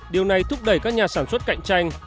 điều này thúc đẩy các nhà sản xuất cạnh tranh